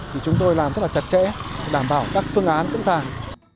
thì chúng tôi làm rất là chặt chẽ để đảm bảo các phương án sẵn sàng